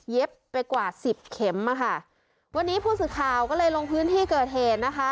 ไปกว่าสิบเข็มอ่ะค่ะวันนี้ผู้สื่อข่าวก็เลยลงพื้นที่เกิดเหตุนะคะ